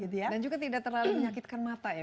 dan juga tidak terlalu menyakitkan mata ya